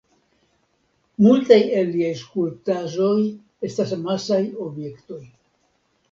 Multaj el liaj skulptaĵoj estas amasaj objektoj.